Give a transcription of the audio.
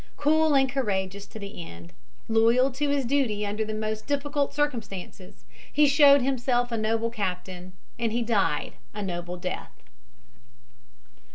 Cool and courageous to the end, loyal to his duty under the most difficult circumstances, he showed himself a noble captain, and he died a noble death.